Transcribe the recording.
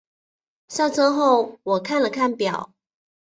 下车后我看了看表